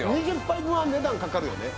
２０杯分は値段かかるよね